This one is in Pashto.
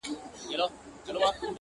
چي پر ټولو پاچهي کوي یو خدای دئ!.